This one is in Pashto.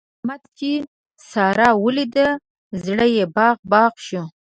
احمد چې سارا وليده؛ زړه يې باغ باغ شو.